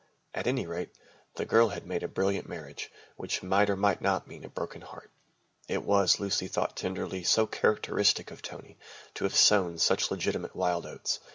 At any rate, the girl had made a brilliant marriage, which might or might not mean a broken heart. It was, Lucy thought tenderly, so characteristic of Tony to have sown such legitimate wild oats.